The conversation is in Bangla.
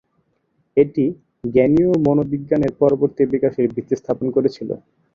এটি জ্ঞানীয় মনোবিজ্ঞানের পরবর্তী বিকাশের ভিত্তি স্থাপন করেছিল।